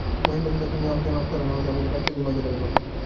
মহেন্দ্র কহিল, তুমিও আমাকে মাপ করো, নহিলে আমি রাত্রে ঘুমাইতে পারিব না।